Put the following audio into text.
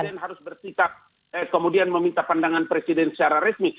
presiden harus bersikap kemudian meminta pandangan presiden secara resmi